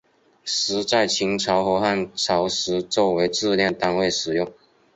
石在秦朝和汉朝时作为质量单位使用。